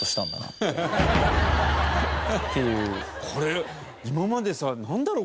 これ今までさなんだろう？